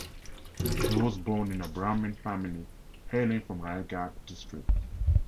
He was born in a Brahmin family hailing from Raigad district.